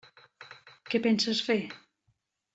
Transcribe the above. Què penses fer?